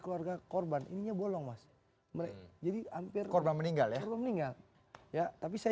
keluarga korban ininya bolong mas jadi hampir korban meninggal ya meninggal ya tapi saya